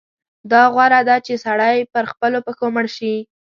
دا غوره ده چې سړی پر خپلو پښو مړ شي.